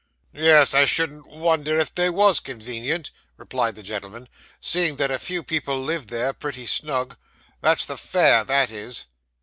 'Yes, I shouldn't wonder if they was convenient,' replied the gentleman, 'seeing that a few people live there, pretty snug. That's the Fair, that is.